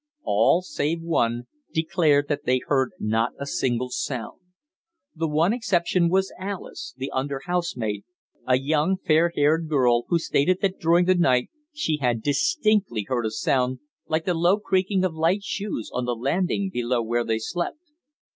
All, save one, declared that they heard not a single sound. The one exception was Alice, the under housemaid, a young fair haired girl, who stated that during the night she had distinctly heard a sound like the low creaking of light shoes on the landing below where they slept.